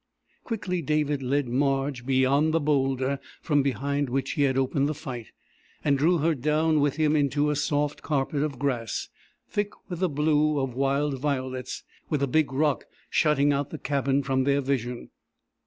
Quickly David led Marge beyond the boulder from behind which he had opened the fight, and drew her down with him into a soft carpet of grass, thick with the blue of wild violets, with the big rock shutting out the cabin from their vision.